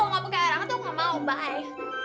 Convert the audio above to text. mau gak pakai air hangat aku gak mau bye